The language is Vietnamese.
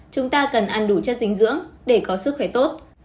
chúng ta cần ăn đủ chất dinh dưỡng để có sức khỏe tốt